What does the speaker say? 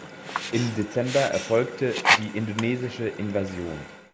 Im Dezember erfolgte die indonesische Invasion.